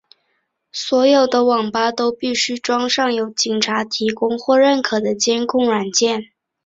所有的网吧都必须装上由警察提供或认可的监控软件。